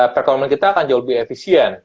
perekonomian kita akan jauh lebih efisien